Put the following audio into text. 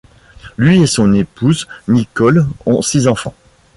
Lui et son épouse Nicole ont six enfants.